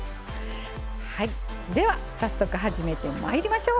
では早速始めてまいりましょう。